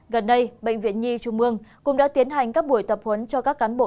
gần đây bệnh viện nhi trung mương cũng đã tiến hành các buổi tập huấn cho các cán bộ